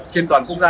trên toàn quốc gia